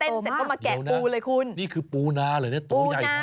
เสร็จก็มาแกะปูเลยคุณนี่คือปูนาเหรอเนี่ยตัวใหญ่มาก